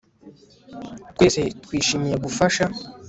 Twese twishimiye gufasha